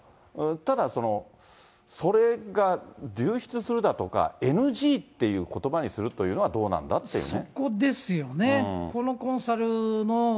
ただ、それが流出するだとか、ＮＧっていうことばにするっていうのはどうなんだっていうね。